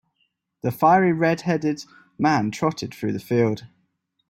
The fiery red-haired man trotted through the field.